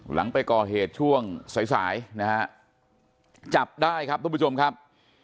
หลังไปก่อเหตุช่วงสายสายนะฮะจับได้ครับทุกผู้ชมครับ